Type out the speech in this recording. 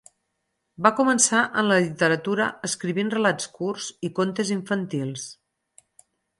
Va començar en la literatura escrivint relats curts i contes infantils.